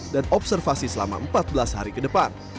dan observasi selama empat belas hari ke depan